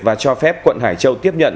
và cho phép quận hải châu tiếp nhận